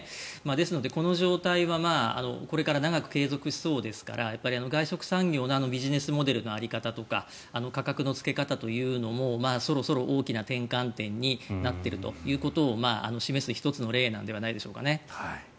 ですので、この状態はこれから長く継続しそうですからやっぱり外食産業のビジネスモデルの在り方とか価格のつけ方というのもそろそろ大きな転換点になっているということを示す、１つの例なのではないでしょうかね。